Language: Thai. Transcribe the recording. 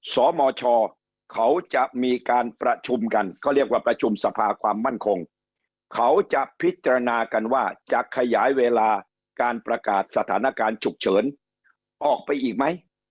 สมชเขาจะมีการประชุมกันเขาเรียกว่าประชุมสภาความมั่นคงเขาจะพิจารณากันว่าจะขยายเวลาการประกาศสถานการณ์ฉุกเฉินออกไปอีกไหม